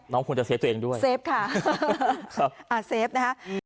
น้องควรจะเซฟตัวเองด้วย